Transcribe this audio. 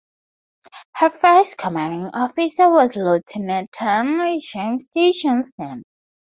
Her first commanding officer was Lieutenant James D. Johnston.